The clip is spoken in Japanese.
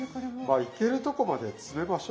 まあいけるとこまで詰めましょう。